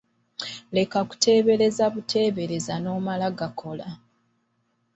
Leka kuteebereza buteebereza n'omala gakola.